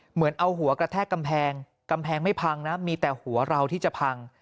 เหมือนเอาหัวกระแทกกำแพงกำแพงไม่พังนะมีแต่หัวเราที่จะพัง